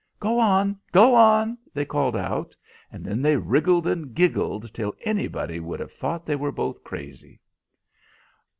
"Go on! Go on!" they called out, and then they wriggled and giggled till anybody would have thought they were both crazy.